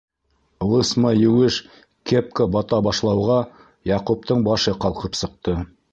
Лысма еүеш кепка бата башлауға, Яҡуптың башы ҡалҡып сыҡты.